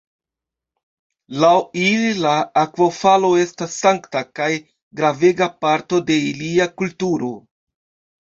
Laŭ ili la akvofalo estas sankta kaj gravega parto de ilia kulturo.